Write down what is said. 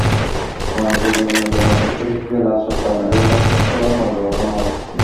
ময়নাতদন্তের জন্য নিহত ব্যক্তিদের লাশ চট্টগ্রাম মেডিকেল কলেজ হাসপাতালের মর্গে পাঠানো হয়।